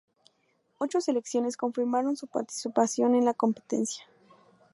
Ocho selecciones confirmaron su participación en la competencia.